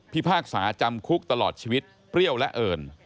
พากษาจำคุกตลอดชีวิตเปรี้ยวและเอิญ